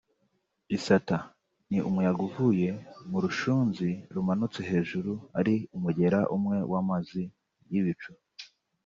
Isata ni umuyaga uvuye mu rushunzi rumanutse hejuru ari umugera umwe w’amazi y’ibicu